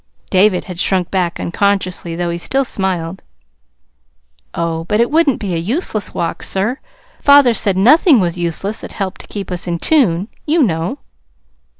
David had shrunk back unconsciously, though he had still smiled. "Oh, but it wouldn't be a useless walk, sir. Father said nothing was useless that helped to keep us in tune, you know."